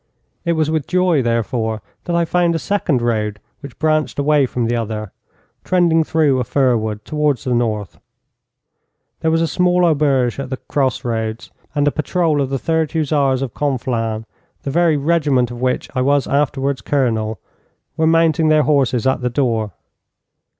It was with joy, therefore, that I found a second road which branched away from the other, trending through a fir wood towards the north. There was a small auberge at the cross roads, and a patrol of the Third Hussars of Conflans the very regiment of which I was afterwards colonel were mounting their horses at the door.